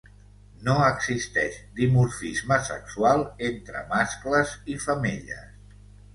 No existeix dimorfisme sexual entre mascles i femelles.